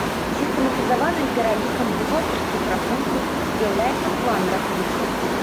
Сістэматызаваным пералікам бухгалтарскіх рахункаў з'яўляецца план рахункаў.